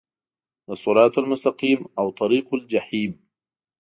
د صراط المستقیم او طریق الجحیم